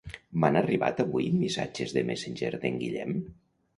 M'han arribat avui missatges de Messenger d'en Guillem?